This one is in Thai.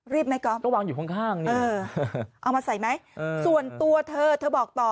รีบไหมก๊อปเออเอามาใส่ไหมส่วนตัวเธอเธอบอกต่อ